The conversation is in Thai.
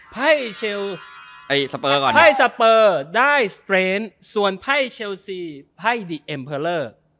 ไพ่เชลซไพ่สเปอร์ได้สเตรนส่วนไพ่เชลซีไพ่เดียเอ็มเพอร์เลอร์